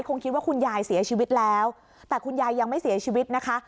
คงคิดว่าคุณยายเสียชีวิตแล้วแต่คุณยายยังไม่เสียชีวิตนะคะ